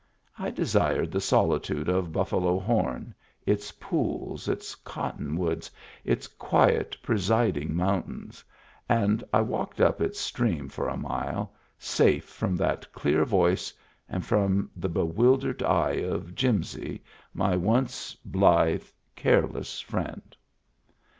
I de sired the solitude of Buffalo Horn, its pools, its cottonwoods, its quiet presiding mountains; and I walked up its stream for a mile, safe from that clear voice and from the bewildered eye of Jimsy, my once blithe, careless friend.